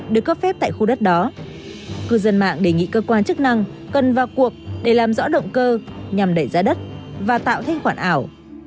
được cấp phép tại khu đất đó cư dân mạng đề nghị cơ quan chức năng cần vào cuộc để làm rõ động cơ nhằm đẩy giá đất và tạo thanh khoản ảo